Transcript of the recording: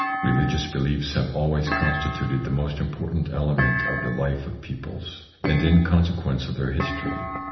Religious beliefs have always constituted the most important element of the life of peoples, and in consequence of their history.